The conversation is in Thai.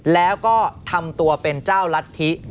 แล้วก็ทำตัวเป็นเจ้ารัฐธิ